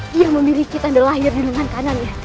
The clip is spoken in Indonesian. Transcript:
dia memiliki tanda lahir di lengan kanannya